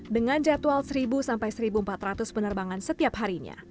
dengan jadwal seribu seribu empat ratus penerbangan setiap harinya